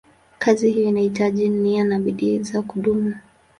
Kazi hiyo inahitaji nia na bidii za kudumu.